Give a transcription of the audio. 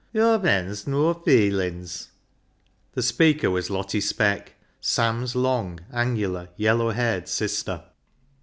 " Yo' men's noa feelin's." The speaker was Lottie Speck, Sam's long, angular, yellow haired sister.